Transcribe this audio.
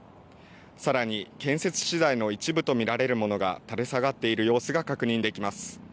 さらに建設資材の一部と見られるものが垂れ下がっている様子が確認できます。